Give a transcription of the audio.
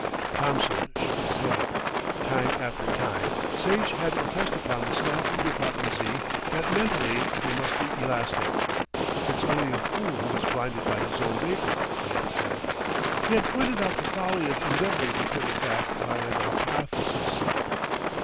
Thompson shook his head. Time after time Sage had impressed upon the staff of Department Z. that mentally they must be elastic. "It's only a fool who is blinded by his own vapour," he had said. He had pointed out the folly of endeavouring to fit a fact by an hypothesis.